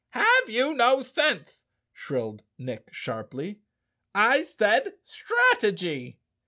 " Have you no sense ?" shrilled Nick sharply. " I said strategy."